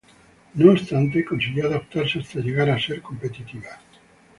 No obstante, consiguió adaptarse hasta llegar a ser competitiva.